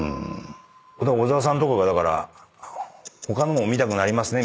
小澤さんとかがだから「他のも見たくなりますね」